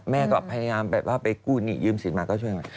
แม่ก็พยายามแบบว่าไปกู้หนี้ยืมสินมาก็ช่วยมา